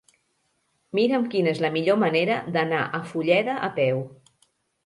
Mira'm quina és la millor manera d'anar a Fulleda a peu.